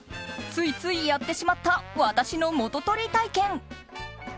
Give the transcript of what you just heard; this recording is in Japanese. ついついやってしまった私の元取り体験。